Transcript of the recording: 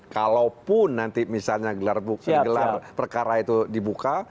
kalaupun nanti misalnya gelar perkara itu dibuka